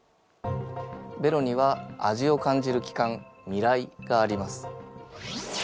ベロには味を感じる器官味らいがあります。